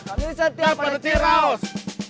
kami setia pada ciraus